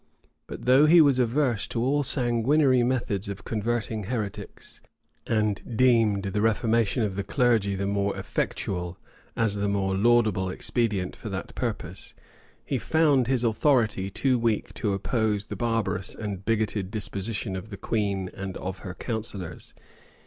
But though he was averse to all sanguinary methods of converting heretics, and deemed the reformation of the clergy the more effectual, as the more laudable expedient for that purpose,[] he found his authority too weak to oppose the barbarous and bigoted disposition of the queen and of her counsellors.